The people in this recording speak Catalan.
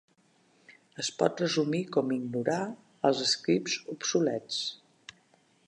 Es pot resumir com "ignorar els escrits obsolets".